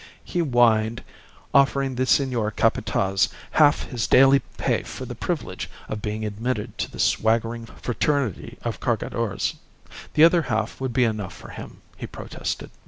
He whined, offering the Senor Capataz half his daily pay for the privilege of being admitted to the swaggering fraternity of Cargadores; the other half would be enough for him, he protested.